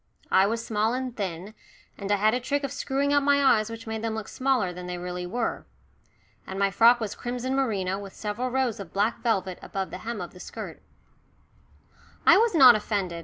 I was small and thin, and I had a trick of screwing up my eyes which made them look smaller than they really were. And my frock was crimson merino with several rows of black velvet above the hem of the skirt. I was not offended.